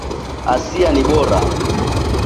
asia ni bara